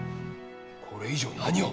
これ以上何を？